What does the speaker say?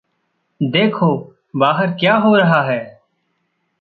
देखो बाहर क्या हो रहा है।